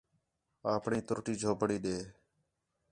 اپݨی تُرُٹی جھونپڑی ݙے